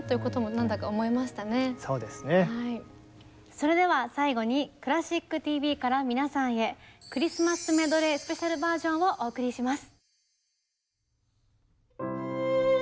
それでは最後に「クラシックＴＶ」から皆さんへクリスマスメドレースペシャルバージョンをお送りします。